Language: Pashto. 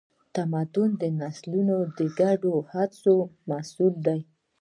تمدن د نسلونو د ګډو هڅو محصول دی.